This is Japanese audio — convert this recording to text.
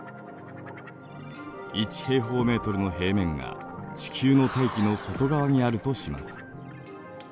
１平方メートルの平面が地球の大気の外側にあるとします。